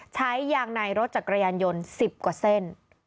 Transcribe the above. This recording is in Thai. ใช้ยางในรถจักรยานยนต์๑๐กว่าเส้น